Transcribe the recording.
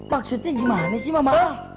maksudnya gimana sih mama